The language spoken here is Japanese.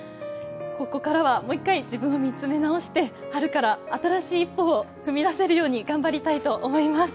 ここからはもう一回自分を見つめ直して春から新しい一歩を踏み出せるように頑張りたいと思います。